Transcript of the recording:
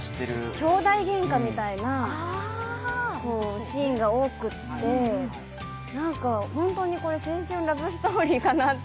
きょうだいげんかみたいなシーンが多くて、ホントにこれ、青春ラブストーリーかなって